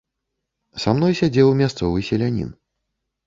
Са мной сядзеў мясцовы селянін.